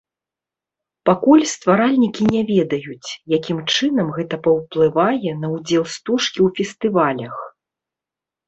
Пакуль стваральнікі не ведаюць, якім чынам гэта паўплывае на ўдзел стужкі ў фестывалях.